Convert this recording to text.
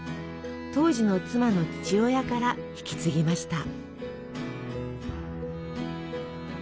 当時の妻の父親から引き継ぎました。